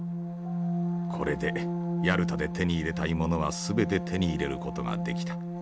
これでヤルタで手に入れたいものは全て手に入れる事ができた。